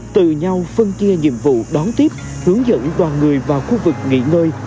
từ nhau phân chia nhiệm vụ đón tiếp hướng dẫn đoàn người vào khu vực nghỉ ngơi